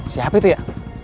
siap itu ya